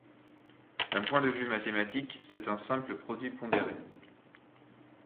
D'un point de vue mathématique, c'est un simple produit pondéré.